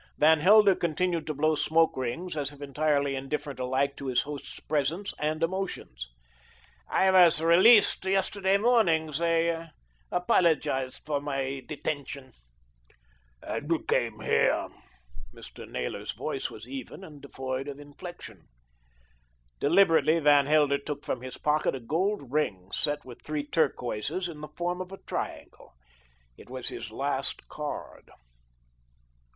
Van Helder continued to blow smoke rings as if entirely indifferent alike to his host's presence and emotions. "I was released yesterday morning. They apologised for my detention." "And you came here?" f Mr. Naylor's voice was even and devoid of inflection. Deliberately Van Helder took from his pocket a gold ring set with three turquoises in the form of a triangle. It was his last card.